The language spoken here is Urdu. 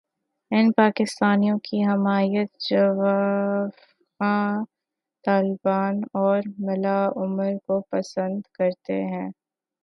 ان پاکستانیوں کی حمایت جوافغان طالبان اور ملا عمر کو پسند کرتے ہیں۔